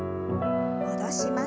戻します。